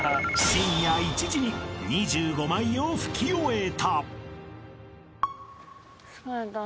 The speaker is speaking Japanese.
［深夜１時に２５枚を拭き終えた］